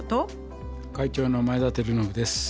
会長の前田晃伸です。